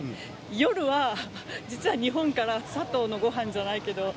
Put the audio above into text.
夜は、実は日本からサトウのごはんじゃないけど。